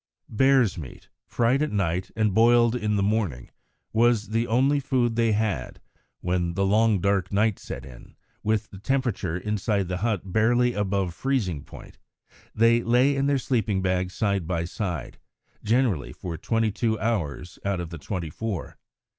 Bear's meat, fried at night and boiled in the morning, was the only food they had; when the long dark night set in, with the temperature inside the hut barely above freezing point, they lay in their sleeping bag side by side, generally for twenty two hours out of the twenty four.